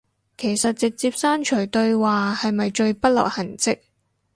其實直接刪除對話係咪最不留痕跡